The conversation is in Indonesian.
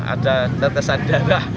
ada tetesan darah